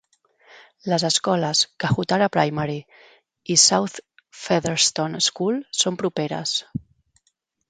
Les escoles Kahutara Primary i South Featherston School són properes.